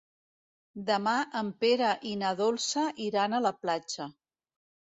Demà en Pere i na Dolça iran a la platja.